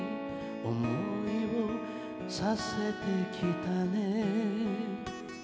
「思いをさせてきたね」